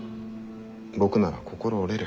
僕なら心折れる。